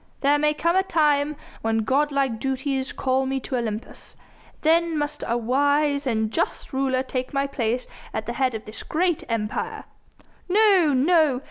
There may come a time when god like duties call me to Olympus. Then must a wise and just ruler take my place at the head of this great Empire." "No! no!